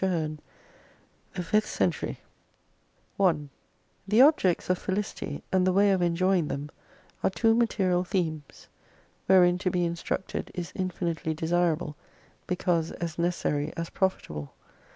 318 THE FIFTH CENTURY 1 THE objects of Felicity, and the way of enjoying them, are two material themes ; wherein to be instructed is infinitely desirable, because as necessary as profitable.